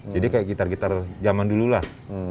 jadi kayak gitar gitar jaman dulu lah